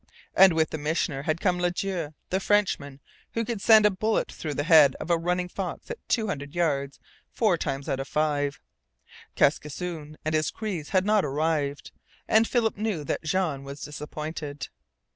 And with the Missioner had come Ladue, the Frenchman, who could send a bullet through the head of a running fox at two hundred yards four times out of five. Kaskisoon and his Crees had not arrived, and Philip knew that Jean was disappointed.